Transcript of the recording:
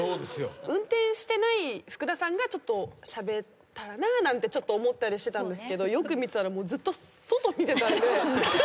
「運転してない福田さんがしゃべったらな」なんてちょっと思ったりしてたんですがよく見たらずっと外見てた。